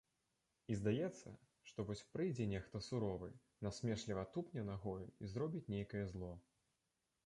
І здаецца, што вось прыйдзе нехта суровы, насмешліва тупне нагою і зробіць нейкае зло.